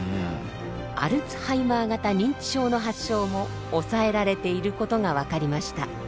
アルツハイマー型認知症の発症も抑えられていることが分かりました。